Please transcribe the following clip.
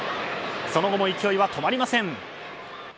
その後も勢いは止まりません。